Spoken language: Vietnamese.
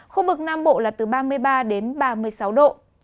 khu vực nam bộ là từ ba mươi ba đến ba mươi sáu độ